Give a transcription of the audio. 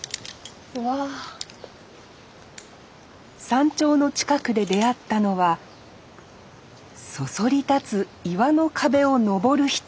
山頂の近くで出会ったのはそそり立つ岩の壁を登る人。